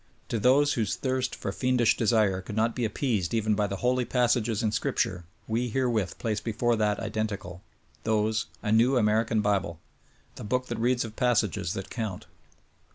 To those whose thirst for fiendish desire could not be appeased even by the holy passages in scripture we herewith place before that identical (those) a new American bible : The book that reads of passages that count.